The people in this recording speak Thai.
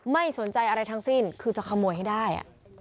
ไม่สนใจอะไรทั้งสิ้นคือจะขโมยให้ได้